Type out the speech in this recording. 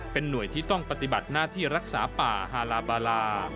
เป็นหน่วยที่ต้องปฏิบัติหน้าที่รักษาป่าฮาลาบาลา